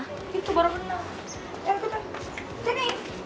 itu baru benar